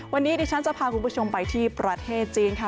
วันนี้ดิฉันจะพาคุณผู้ชมไปที่ประเทศจีนค่ะ